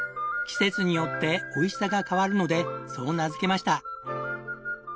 季節によっておいしさが変わるのでそう名づけました。